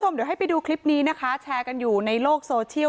เดี๋ยวให้ไปดูคลิปนี้นะคะแชร์กันอยู่ในโลกโซเชียล